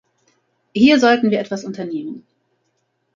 Hier sollten wir etwas unternehmen.